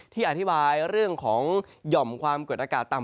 อธิบายเรื่องของหย่อมความกดอากาศต่ำ